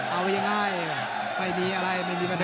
เอายังไงไม่มีอะไรไม่มีปัญหา